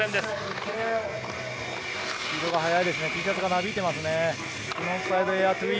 スピードが速いですね、Ｔシャツがなびいてますね。